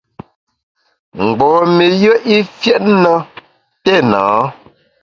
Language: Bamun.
Mgbom-i yùe i fiét na téna.